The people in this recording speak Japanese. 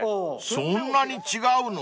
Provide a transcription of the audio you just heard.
［そんなに違うの？］